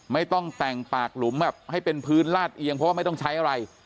ไม่ต้องแต่งปากหลุมแบบให้เป็นพื้นลาดเอียงเพราะว่าไม่ต้องใช้อะไร